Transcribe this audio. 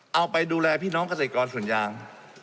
เอาไปดูแลพี่น้องเกษตรกรส่วนยาง